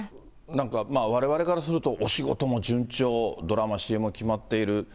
なんか、われわれからすると、お仕事も順調、ドラマ、ＣＭも決まっている。